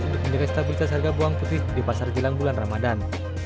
untuk menjaga stabilitas harga bawang putih di pasar jelang bulan ramadan